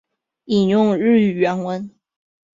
引用日语原文